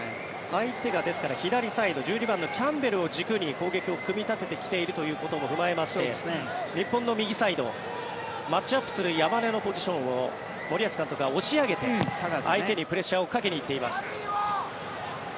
相手が左サイドキャンベルを軸に攻撃を組み立てているということを考えまして日本の右サイドマッチアップする山根のポジションを森保監督が押し上げて相手にプレッシャーをかけに行っています。